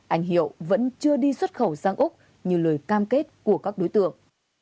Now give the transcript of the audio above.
anh hiệu vẫn chưa đi xuất khẩu sang úc như lời cam kết của các đối tượng